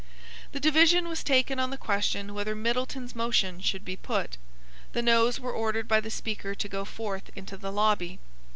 The division was taken on the question whether Middletons motion should be put. The Noes were ordered by the Speaker to go forth into the lobby.